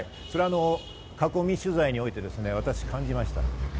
囲み取材において、私、感じました。